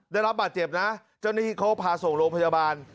ได้รับบาดเจ็บนะเจ้าหน้าที่เขาพาส่งโรงพยาบาล